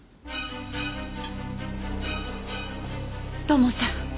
土門さん